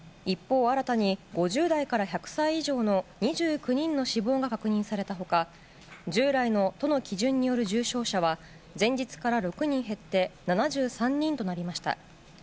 一方、新たに５０代から１００歳以上の２９人の死亡が確認された他従来の都の基準による重症者は前日から６人減って７３人となりました。